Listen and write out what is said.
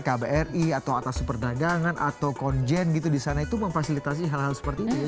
kbri atau atas superdagangan atau konjen gitu di sana itu memfasilitasi hal hal seperti itu ya